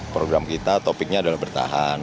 program kita topiknya adalah bertahan